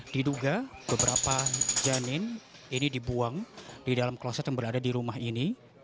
diduga beberapa janin ini dibuang di dalam kloset yang berada di rumah ini